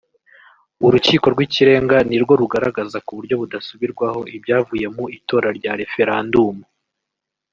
Urukiko rw’Ikirenga ni rwo rugaragaza ku buryo budasubirwaho ibyavuye mu itora rya referandumu